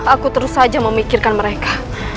aku terus saja memikirkan mereka